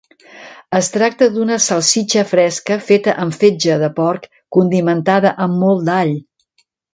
Es tracta d'una salsitxa fresca feta amb fetge de porc condimentada amb molt d'all.